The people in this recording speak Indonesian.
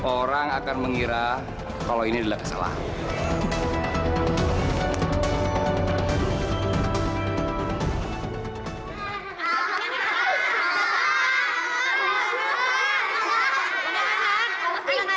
orang akan mengira kalau ini adalah kesalahan